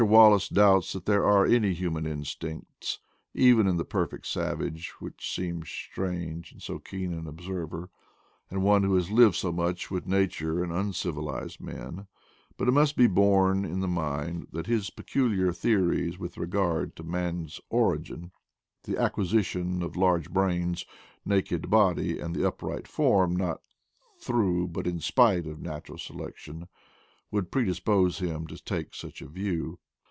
Wallace doubts that there are any human instincts, even in the perfect savage; which seems strange in so keen an observer, and one who has lived so much with nature and un civilized men; but it must be borne in mind that his peculiar theories with regard to man's origin — the acquisition of large brains, naked body, and the upright form not through but in spite of natu ral selection — would predispose him to take such a view.